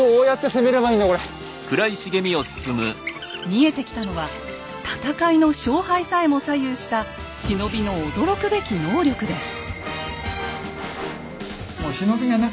見えてきたのは戦いの勝敗さえも左右した忍びの驚くべき能力です。